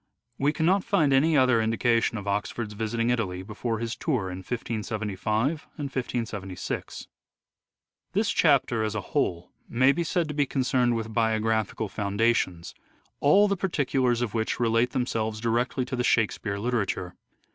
We cannot find any other indication of Oxford's visiting Italy before his tour in 1575 and 1576. This chapter as a whole may be said to be concerned Summary, with biographical foundations ; all the particulars of which relate themselves directly to the " Shakespeare " literature.